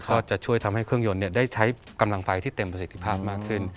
ก็จะช่วยทำให้เครื่องยนต์ได้ใช้กำลังไฟที่เต็มประสิทธิภาพมากขึ้น